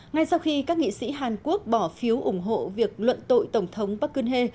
ngay sau khi các nghị sĩ hàn quốc bỏ phiếu ủng hộ việc luận tội tổng thống park geun hye